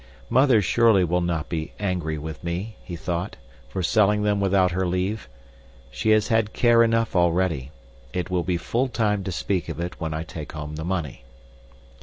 Mother surely will not be angry with me, he thought, for selling them without her leave. She has had care enough already. It will be full time to speak of it when I take home the money.